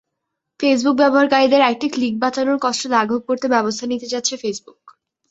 Facebook ব্যবহারকারীদের একটি click বাঁচানোর কষ্ট লাঘব করতে ব্যবস্থা নিতে যাচ্ছে ফেসবুক।